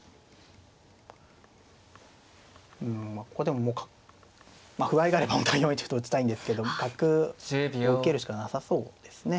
うんここでももうまあ歩合いがあれば本当は４一歩と打ちたいんですけど角を受けるしかなさそうですね。